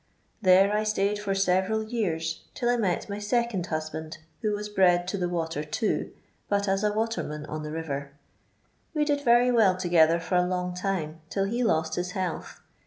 There I itaytd for tetenl years, till I met mj second husband, who wai bred to the water, too, bat aa a watemm on the riyer. We did very well together for a long time, till he lost his health.